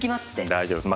大丈夫です。